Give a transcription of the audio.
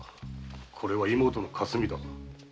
これは妹のかすみだ。